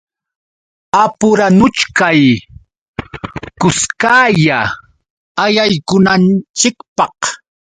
Apuranuchkay kuskalla allaykunanchikpaq.